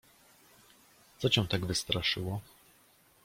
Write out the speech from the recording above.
"Co cię tak wystraszyło?"